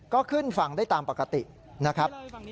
ก็ขึ้นฝั่งได้ตามปกตินะครับ